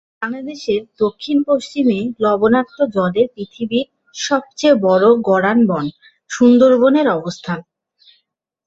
বাংলাদেশের দক্ষিণ পশ্চিমে লবনাক্ত জলের পৃথিবীর সবচেয়ে বড় গড়ান বন, সুন্দরবন এর অবস্থান।